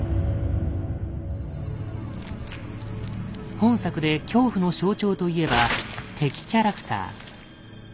本作で恐怖の象徴といえば「敵キャラクター」。